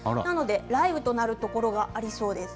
雷雨となるところがありそうです。